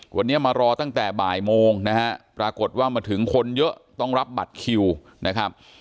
วันนี้มารอตั้งแต่บ่ายโมงนะฮะปรากฏว่ามาถึงคนเยอะต้องรับบัตรคิวนะครับ